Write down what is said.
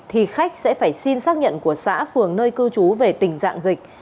thì khách sẽ phải xin xác nhận của xã phường nơi cư trú về tình trạng dịch